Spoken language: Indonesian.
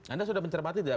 anda sudah mencermati tidak